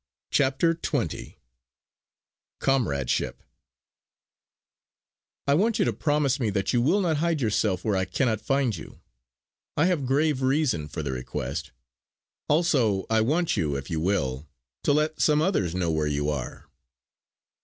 CHAPTER XX COMRADESHIP "I want you to promise me that you will not hide yourself where I cannot find you. I have grave reason for the request. Also, I want you, if you will, to let some others know where you are."